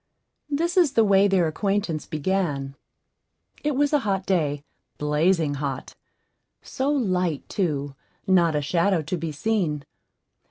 This is the way their acquaintance began: It was a hot day blazing hot; so light too not a shadow to be seen.